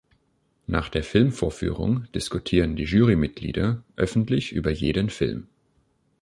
Nach der Filmvorführung diskutieren die Jurymitglieder öffentlich über jeden Film.